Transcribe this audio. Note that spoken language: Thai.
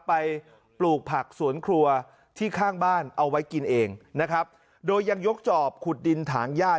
ปลูกผักสวนครัวที่ข้างบ้านเอาไว้กินเองนะครับโดยยังยกจอบขุดดินถางญาติ